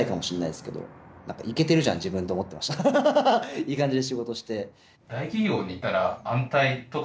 いい感じに仕事して。